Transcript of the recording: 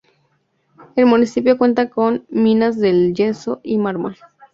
El municipio cuenta con minas de yeso y mármol.